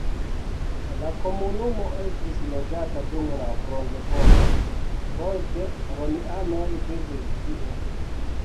La komunumo estis loĝata dum la bronzepoko, poste romianoj vivis tie.